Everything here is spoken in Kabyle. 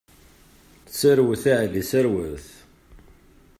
Serwet a Ɛli, serwet!